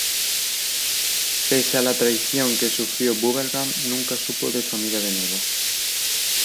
Pese a la traición que sufrió Bubblegum nunca supo de su amiga de nuevo.